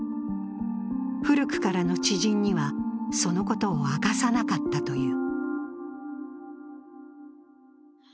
古くからの知人には、そのことを明かさなかったという。